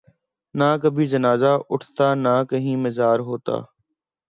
نہ کبھی جنازہ اٹھتا نہ کہیں مزار ہوتا